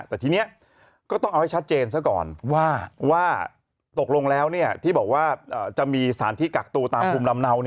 แต่ทีนี้ก็ต้องเอาให้ชัดเจนซะก่อนว่าตกลงแล้วที่บอกว่าจะมีสถานที่กักตัวตามภูมิลำเนา